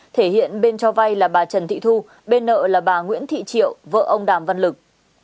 thể hiện bên cho vay là bà trần thị thu bên nợ là bà nguyễn thị triệu vợ ông đàm văn lực